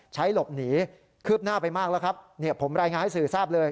ใช้หลบหนีคืบหน้าไปมากแล้วครับเนี่ยผมรายงานให้สื่อทราบเลย